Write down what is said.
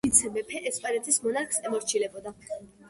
თავად ვიცე-მეფე ესპანეთის მონარქს ემორჩილებოდა.